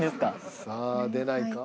さあ出ないか？